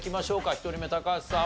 １人目橋さん